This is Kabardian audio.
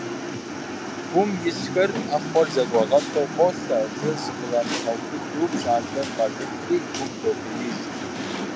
Гум исхэр, Ӏэхъуэр зэгуагъэпу, къолъэ, абы зыкърамыгъэубыду пщӀантӀэр къажыхьри, гум долъеиж.